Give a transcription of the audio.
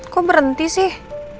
kok berhenti sih